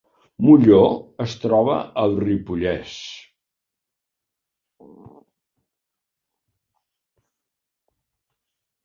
Molló es troba al Ripollès